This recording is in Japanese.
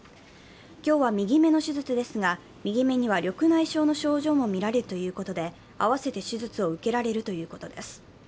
今日は右目の手術ですが、右目には緑内障の症状もみられるということで、併せて手術を受けられるということです。